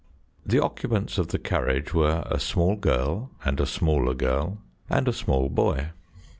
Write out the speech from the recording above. The occupants of the carriage were a small girl, and a smaller girl, and a small boy.